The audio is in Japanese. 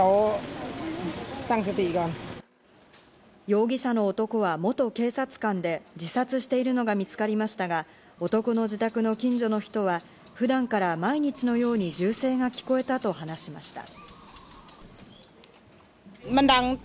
容疑者の男は元警察官で、自殺してるのが見つかりましたが、男の自宅の近所の人は、普段から毎日のように銃声が聞こえていたと話しました。